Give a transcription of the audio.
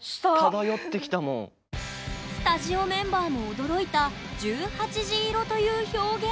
スタジオメンバーも驚いた「十八時色」という表現。